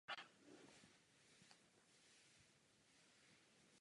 Musíte v tomto změnit svůj postoj.